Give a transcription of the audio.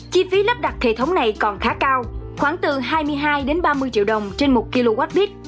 chi phí lắp đặt hệ thống này còn khá cao khoảng từ hai mươi hai ba mươi triệu đồng trên một kwh